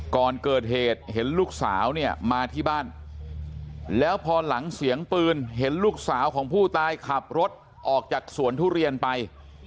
ก่อนเกิดเหตุเห็นลูกสาวเนี่ยมาที่บ้านแล้วพอหลังเสียงปืนเห็นลูกสาวของผู้ตายขับรถออกจากสวนทุเรียนไป